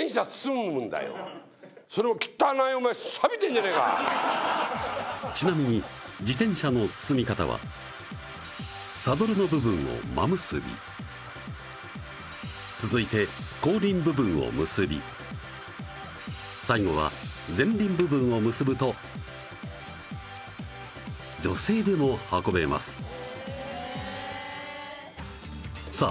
それもちなみに自転車の包み方は続いて最後は前輪部分を結ぶと女性でも運べますさあ